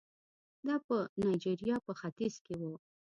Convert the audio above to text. دا په نایجریا په ختیځ کې وو.